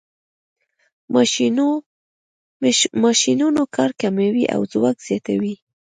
ماشینونه کار کموي او ځواک زیاتوي.